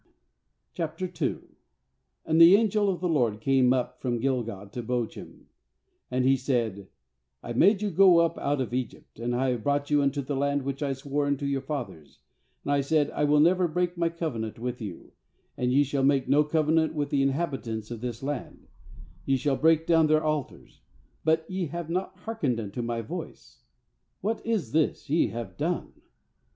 O And the angel of the LORD came up from Gilgal to Bochim. And he said :'... I made you to go up out of Egypt, and have brought you unto the land which I swore unto your fathers; and I said: I will never break My covenant with you; 2and ye shall make no covenant with the inhabitants of this land; ye shall break down their altars; but ye have not hearkened unto My voice; what is this ye have done?